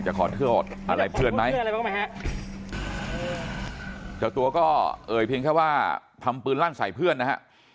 เจ้าตัวก็เอ่ยเพียงแค่ว่าทำปืนล่างสายเพื่อนนะฮะ